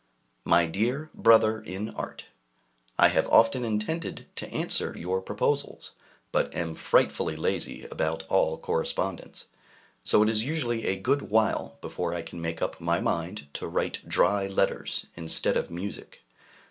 MY DEAR BROTHER IN ART, I have often intended to answer your proposals, but am frightfully lazy about all correspondence; so it is usually a good while before I can make up my mind to write dry letters instead of music.